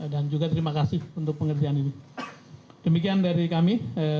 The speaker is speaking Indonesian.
dan juga terima kasih untuk pengerjaan ini demikian dari kami